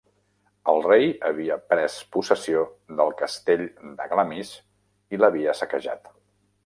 El rei havia pres possessió del Castell de Glamis i l'havia saquejat.